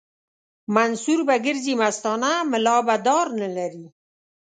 منصور به ګرځي مستانه ملا به دار نه لري